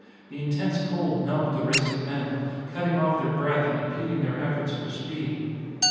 The intense cold numbed the racing men, cutting off their breath and impeding their efforts for speed.